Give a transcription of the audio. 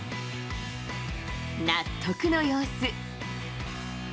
納得の様子。